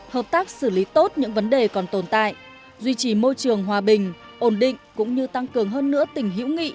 hợp tác xử lý tốt những vấn đề còn tồn tại duy trì môi trường hòa bình ổn định cũng như tăng cường hơn nữa tình hữu nghị